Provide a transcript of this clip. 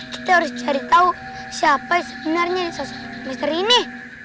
kita harus cari tahu siapa sebenarnya sosok mr ini